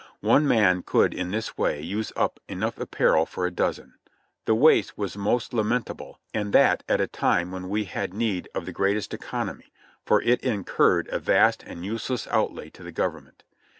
One man could in this way use up enough apparel for a dozen. The waste was most lamentable and that at a time when we had need of the greatest economy, for it incurred a vast and useless outlay to the Government.